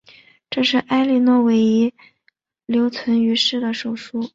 这是埃莉诺唯一留存于世的手书。